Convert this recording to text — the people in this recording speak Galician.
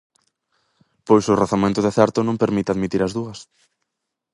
Pois o razoamento de certo non permite admitir as dúas.